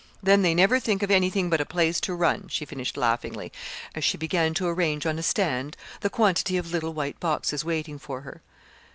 Then they never think of anything but a place to run," she finished laughingly, as she began to arrange on a stand the quantity of little white boxes waiting for her.